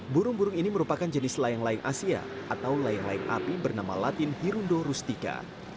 burung burung ini merupakan jenis layang layang asia atau layang layang api bernama latin hirundo rustika